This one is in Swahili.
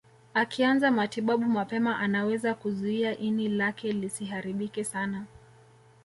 Akianza matibabu mapema anaweza kuzuia ini lake lisiharibike sana